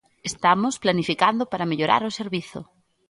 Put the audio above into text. Estamos planificando para mellorar o servizo.